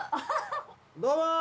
どうも！